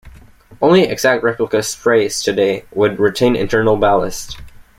Only exact replica "Spray"s today would retain internal ballast.